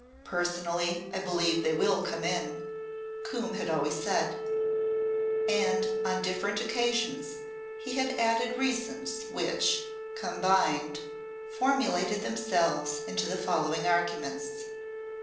"Personally I believe they will come in," Coombe had always said. And on different occasions he had added reasons which, combined, formulated themselves into the following arguments.